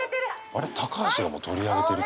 あれ、タカハシがもう取り上げてる？